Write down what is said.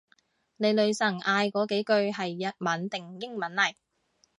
你女神嗌嗰幾句係日文定英文嚟？